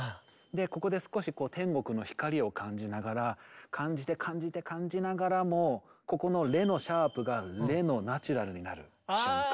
ここで少し天国の光を感じながら感じて感じて感じながらもここのレのシャープがレのナチュラルになる瞬間。